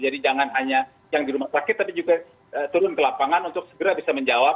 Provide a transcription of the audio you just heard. jangan hanya yang di rumah sakit tapi juga turun ke lapangan untuk segera bisa menjawab